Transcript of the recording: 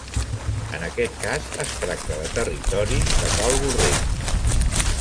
En aquest cas es tracta de territori de Cal Borrell.